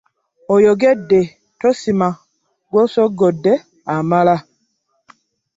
Oyogedde tosima gw'osoggodde amala.